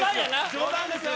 冗談ですよ